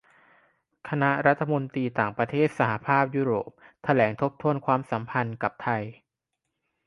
คณะรัฐมนตรีต่างประเทศสหภาพยุโรปแถลงทบทวนความสัมพันธ์กับไทย